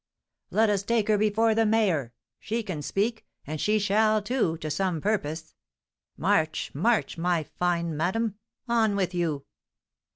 "Let us take her before the mayor! She can speak; and she shall, too, to some purpose. March, march, my fine madam! On with you!"